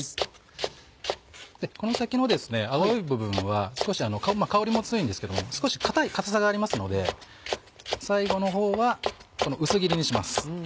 この先の青い部分は少し香りも強いんですけども少し硬さがありますので最後のほうは薄切りにします。